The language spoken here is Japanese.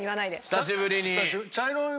久しぶりに。